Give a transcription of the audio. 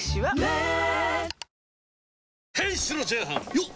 よっ！